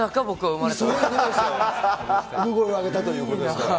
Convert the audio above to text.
産声を上げたということですから。